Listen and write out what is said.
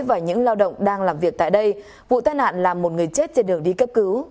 và những lao động đang làm việc tại đây vụ tai nạn là một người chết trên đường đi cấp cứu